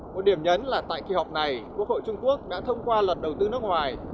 một điểm nhấn là tại kỳ họp này quốc hội trung quốc đã thông qua luật đầu tư nước ngoài